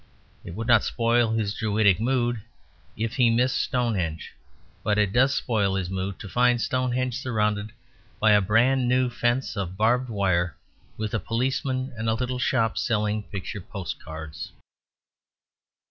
It would not spoil his Druidic mood if he missed Stonehenge. But it does spoil his mood to find Stonehenge surrounded by a brand new fence of barbed wire, with a policeman and a little shop selling picture post cards.